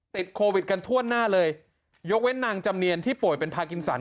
ติดโควิดกันทั่วหน้าเลยยกเว้นนางจำเนียนที่ป่วยเป็นพากินสัน